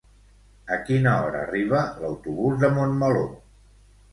A quina hora arriba l'autobús de Montmeló?